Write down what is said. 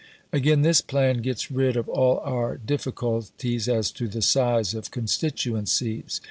Again, this plan gets rid of all our difficulties as to the size of constituencies.